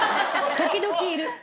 時々いる。